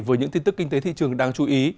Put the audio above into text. với những tin tức kinh tế thị trường đáng chú ý